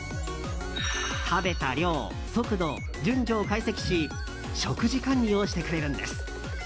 食べた量、速度、順序を解析し食事管理をしてくれるんです。